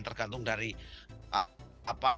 tergantung dari apa